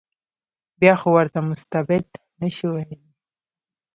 بیا خو ورته مستبد نه شو ویلای.